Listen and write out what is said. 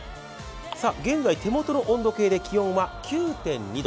現在、手元の温度計で気温は９．２度。